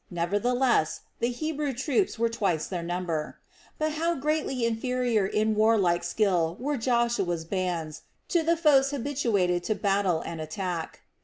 Nevertheless the Hebrew troops were twice their number. But how greatly inferior in warlike skill were Joshua's bands to the foes habituated to battle and attack.